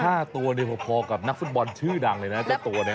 ค่าตัวเนี่ยรุปภองกับนักฟุตบอลชื่อดังเลยนะตัวนี้